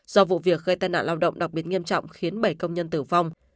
do vụ việc gây tai nạn lao động đặc biệt nghiêm trọng khiến bảy công nhân tử vong